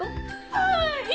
はい！